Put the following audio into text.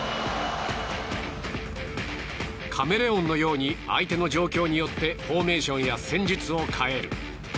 カメレオンのように相手の状況によってフォーメーションや戦術を変える。